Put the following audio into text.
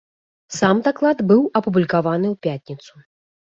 Сам даклад быў апублікаваны ў пятніцу.